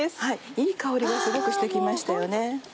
いい香りがすごくして来ましたよね。